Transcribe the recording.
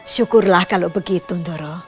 syukurlah kalau begitu doro